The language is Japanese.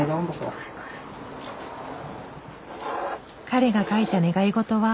彼が書いた願いごとは？